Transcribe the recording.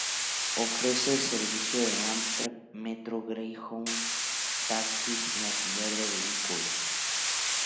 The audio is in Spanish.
Ofrece el servicio de Amtrak, Metro Greyhound, taxis, y alquiler de vehículos.